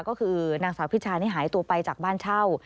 ก็คือนางสาวพิชานี่หายตัวไปจากบ้านเช่า